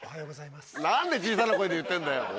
何で小さな声で言ってんだよ。